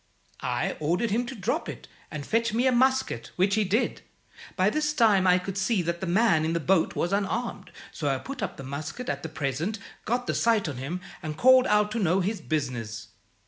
I ordered him to drop it, and fetch me a musket, which he did. By this time I could see that the man in the boat was unarmed, so I put up the musket at the 'present,' got the sight on him, and called out to know his business.